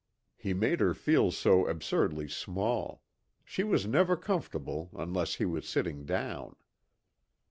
He made her feel so absurdly small; she was never comfortable unless he was sitting down.